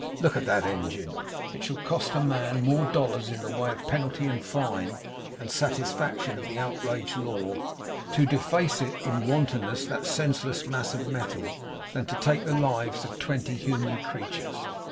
Look at that engine! It shall cost a man more dollars in the way of penalty and fine, and satisfaction of the outraged law, to deface in wantonness that senseless mass of metal, than to take the lives of twenty human creatures!